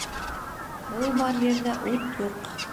Һыу бар ерҙә ут юҡ